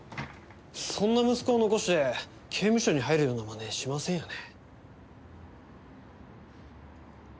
そんな息子を残して刑務所に入るようなまねしませんよね？